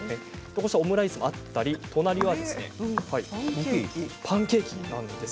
オムライスもあったり隣はパンケーキです。